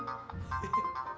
aduh sakit herma